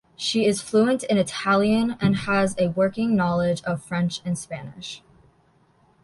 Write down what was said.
She is fluent in Italian and has a working knowledge of French and Spanish.